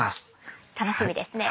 楽しみですね。